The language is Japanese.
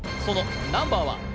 そのナンバーは？